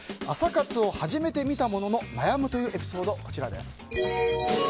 朝活を始めてみたものの悩むというエピソードです。